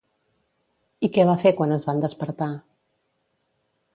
I què va fer quan es van despertar?